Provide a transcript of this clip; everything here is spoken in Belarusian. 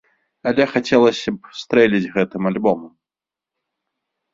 Але хацелася б стрэліць гэтым альбомам.